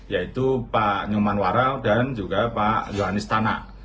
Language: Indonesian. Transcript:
yaitu pak nyuman warah dan juga pak yohanis tanak